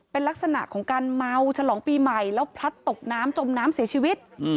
เป็นลักษณะของการเมาฉลองปีใหม่แล้วพลัดตกน้ำจมน้ำเสียชีวิต